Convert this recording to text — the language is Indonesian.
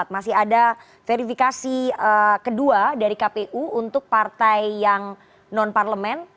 masih ada verifikasi kedua dari kpu untuk partai yang non parlemen